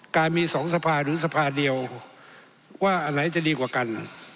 การมี๒สภาหรือสภาเดียวว่าอะไรจะดีกว่ากัน